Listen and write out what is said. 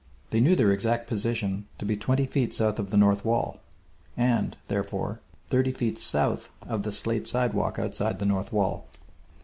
They knew their exact position to be twenty feet south of the north wall, and, therefore, thirty feet south of the slate sidewalk outside the north wall.